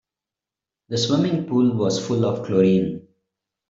The swimming pool was full of chlorine.